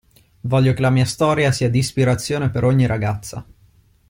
Voglio che la mia storia sia d'ispirazione per ogni ragazza.